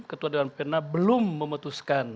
ketua dewan pena belum memutuskan